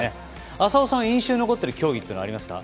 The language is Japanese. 浅尾さんは印象に残ってる競技はありますか？